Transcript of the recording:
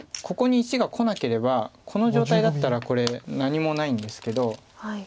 ここに石がこなければこの状態だったらこれ何もないんですけど。